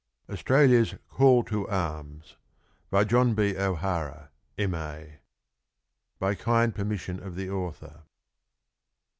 AUSTRALIA'S CALL TO ARMS. BY JOHN B. O'HARA, M.A. (_By kind permission of the Author.